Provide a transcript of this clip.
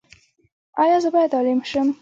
ایا زه باید عالم شم؟